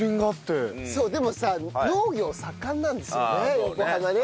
そうでもさ農業盛んなんですよね横浜ね。